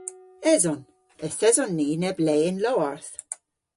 Eson. Yth eson ni neb le y'n lowarth.